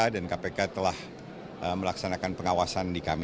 dan kpk telah melaksanakan pengawasan di kami